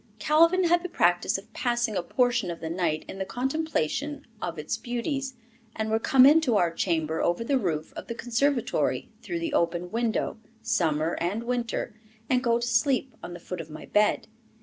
Calvin had the practice of passing a portion of the night in the contemplation of its beauties, and would come into our chamber over the roof of the conservatory through the open window, summer and winter, and go to sleep on the foot of my bed.